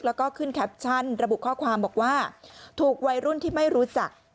แล้วก็ขึ้นแคปชั่นระบุข้อความบอกว่าถูกวัยรุ่นที่ไม่รู้จัก